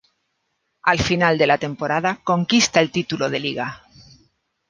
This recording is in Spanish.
Al final de la temporada conquista el título de Liga.